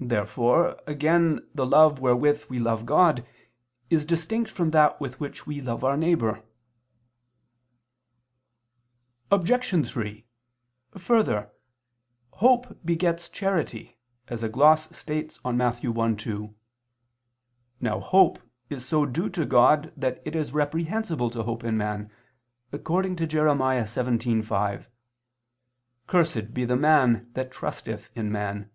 _ Therefore again the love wherewith we love God, is distinct from that with which we love our neighbor. Obj. 3: Further, hope begets charity, as a gloss states on Matt. 1:2. Now hope is so due to God that it is reprehensible to hope in man, according to Jer. 17:5: "Cursed be the man that trusteth in man."